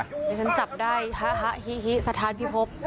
เดี๋ยวฉันจับได้ฮะฮะฮิฮิศาสตร์พิภพ